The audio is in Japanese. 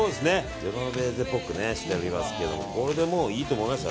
ジェノベーゼっぽくしていますけどこれでいいと思います。